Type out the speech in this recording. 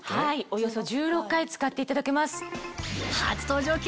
およそ１６回使っていただけます。